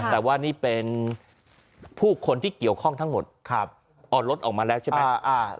แต่ว่านี่เป็นผู้คนที่เกี่ยวข้องทั้งหมดอ่อนรถออกมาแล้วใช่ไหม